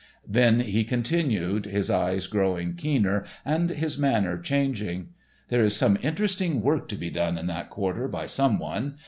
Then he continued, his eyes growing keener and his manner changing: "There is some interesting work to be done in that quarter by some one.